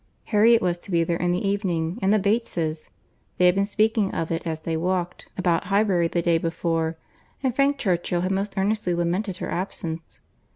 Harriet was to be there in the evening, and the Bateses. They had been speaking of it as they walked about Highbury the day before, and Frank Churchill had most earnestly lamented her absence.